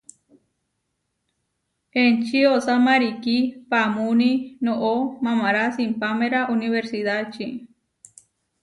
Enči osá marikí paamúni noʼo mamará simpáméra unibersidáči.